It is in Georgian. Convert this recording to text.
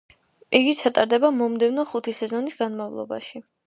იგი ჩატარდება მომდევნო ხუთი სეზონის განმავლობაში.